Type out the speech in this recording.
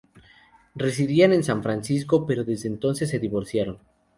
Residían en San Francisco, pero desde entonces se divorciaron.